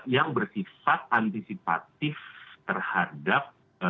yang bersifat antisipatif terhadap